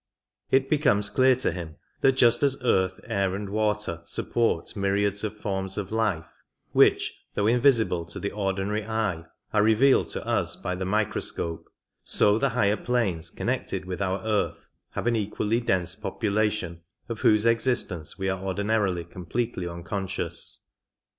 It becomes clear to him that just as earth, air and water support myriads of forms of life which, though invisible to the ordinary eye, are revealed to us by the microscope, so the higher planes connected with our earth have an equally dense population of whose existence we are ordinarily com pletely unconscious.